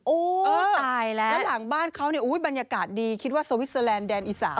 ตายแล้วแล้วหลังบ้านเขาเนี่ยบรรยากาศดีคิดว่าสวิสเตอร์แลนดแดนอีสาน